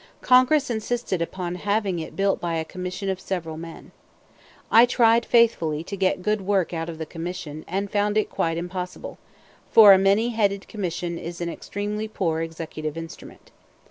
Congress insisted upon having it built by a commission of several men. I tried faithfully to get good work out of the commission, and found it quite impossible; for a many headed commission is an extremely poor executive instrument.